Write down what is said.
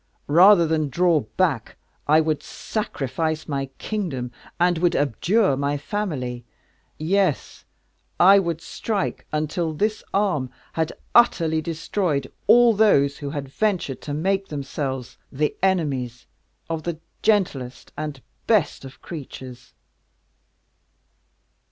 "Rather than draw back, I would sacrifice my kingdom, and would abjure my family. Yes, I would strike until this arm had utterly destroyed all those who had ventured to make themselves the enemies of the gentlest and best of creatures."